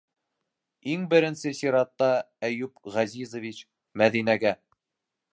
Иң беренсе сиратта, Әйүп Ғәзизович, Мәҙинәгә.